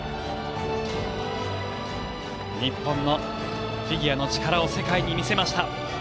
日本のフィギュアの力を世界に見せました。